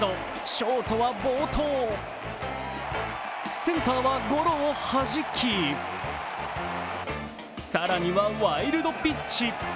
ショートは暴投センターはゴロをはじき、更にはワイルドピッチ。